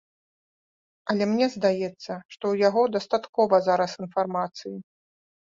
Але мне здаецца, што ў яго дастаткова зараз інфармацыі.